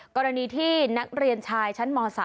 กรณีที่นักเรียนชายชั้นม๓